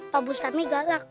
pak bustami galak